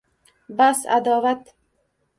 Bas, adovat!